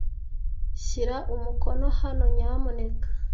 Shyira umukono hano, nyamuneka.